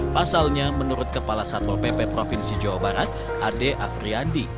pasalnya menurut kepala satpol pp provinsi jawa barat ade afriandi